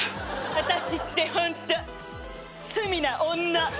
あたしってホント罪な女。